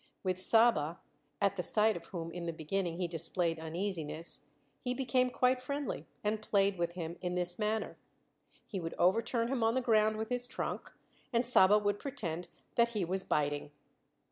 With Saba, at the sight of whom in the beginning he displayed uneasiness, he became quite friendly, and played with him in this manner: he would overturn him on the ground with his trunk, and Saba would pretend that he was biting.